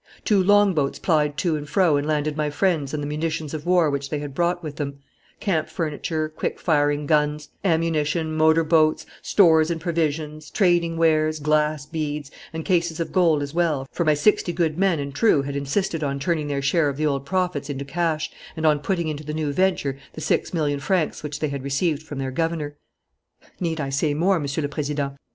Two longboats plied to and fro and landed my friends and the munitions of war which they had brought with them: camp furniture, quick firing guns, ammunition, motor boats, stores and provisions, trading wares, glass beads, and cases of gold as well, for my sixty good men and true had insisted on turning their share of the old profits into cash and on putting into the new venture the six million francs which they had received from their governor.... "Need I say more, Monsieur le Président?